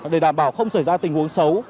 để đảm bảo không xảy ra tình huống xấu